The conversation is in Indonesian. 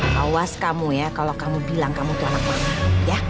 puas kamu ya kalau kamu bilang kamu tuh anak mama ya